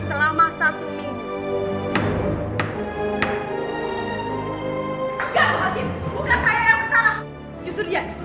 selama satu bulan